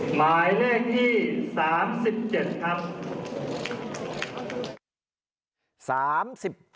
หมายเลขที่๓๗ครับ